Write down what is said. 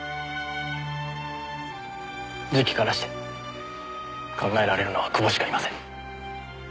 時期からして考えられるのは久保しかいません。